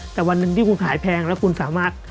แต่วันหนึ่งที่คุณขายแพงแล้วคุณสามารถ